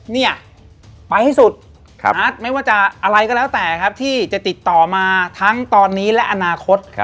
เนี่ยไปให้สุดไม่ว่าจะอะไรก็แล้วแต่ครับที่จะติดต่อมาทั้งตอนนี้และอนาคต